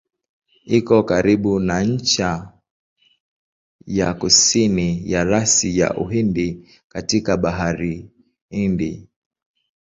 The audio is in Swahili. Iko karibu na ncha ya kusini ya rasi ya Uhindi katika Bahari Hindi.